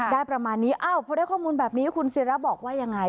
ประมาณนี้อ้าวพอได้ข้อมูลแบบนี้คุณศิราบอกว่ายังไง